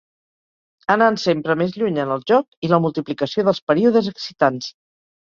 Anant sempre més lluny en el joc i la multiplicació dels períodes excitants.